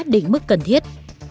định mức cần thiết